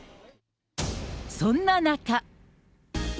そんな中。